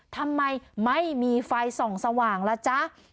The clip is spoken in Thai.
ทำไมไม่มีไฟส่องสว่างล่ะจ๊ะ